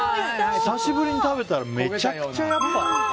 久しぶりに食べたらめちゃくちゃね。